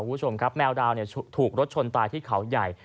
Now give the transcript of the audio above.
คุณผู้ชมครับแมวดาวถูกรถชนตายที่เขาใหญ่